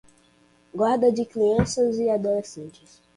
guarda de crianças e adolescentes